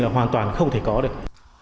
là hoàn toàn không thể có được